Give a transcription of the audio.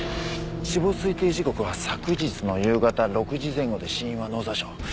死亡推定時刻は昨日の夕方６時前後で死因は脳挫傷。